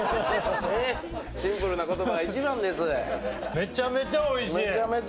めちゃめちゃおいしい！